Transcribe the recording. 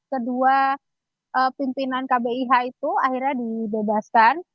kedua pimpinan kbih itu akhirnya dibebaskan